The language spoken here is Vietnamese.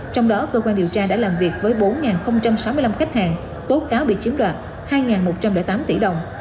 trong đó cơ quan điều tra đã làm việc với bốn sáu mươi năm khách hàng tố cáo bị chiếm đoạt hai một trăm linh tám tỷ đồng